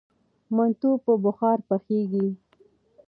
منتو په بخار پخیږي.